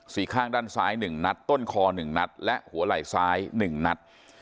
สี่ข้างด้านซ้ายหนึ่งนัดต้นคอหนึ่งนัดและหัวไหล่ซ้ายหนึ่งนัด